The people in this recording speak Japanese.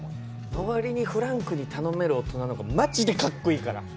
周りにフランクに頼れる大人の方がまじでかっこいいから。